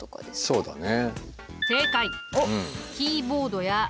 そうだね。